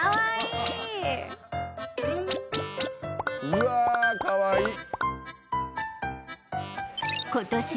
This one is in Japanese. うわあかわいい。